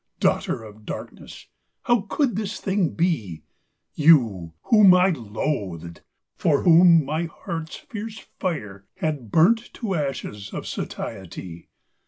Daughter of darkness! how could this thing be? You, whom I loathed! for whom my heart's fierce fire Had burnt to ashes of satiety!